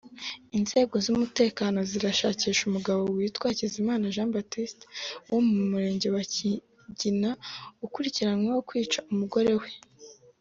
Inzego z’umutekano zirashakisha umugabo witwa Hakuzimana Jean Baptiste wo mu Murenge wa Kigina ukurikiranyweho kwica umugore we